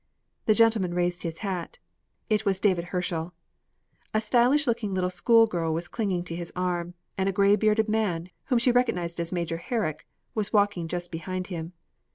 The gentleman raised his hat. It was David Herschel. A stylish looking little school girl was clinging to his arm, and a gray bearded man, whom she recognized as Major Herrick, was walking just behind him.